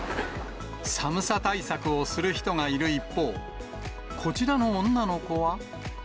寒さ対策をする人がいる一方、こちらの女の子は。